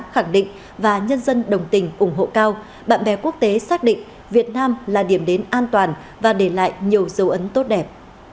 khẳng định và nhân dân đồng tình ủng hộ cao bạn bè quốc tế xác định việt nam là điểm đến an toàn và để lại nhiều dấu ấn tốt đẹp